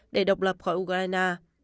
để độc lập khỏi ukraine